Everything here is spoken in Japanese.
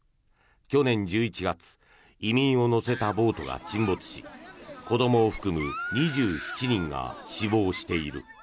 去年１１月移民を乗せたボートが沈没し子どもを含む２７人が死亡している。